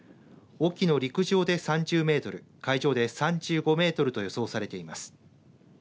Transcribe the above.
隠岐の陸上で３０メートル海上で３５メートルと予想されています。